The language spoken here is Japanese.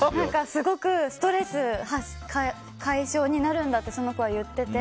すごくストレス解消になるんだって、その子は言ってて。